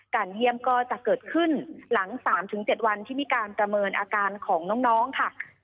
เยี่ยมก็จะเกิดขึ้นหลัง๓๗วันที่มีการประเมินอาการของน้องค่ะ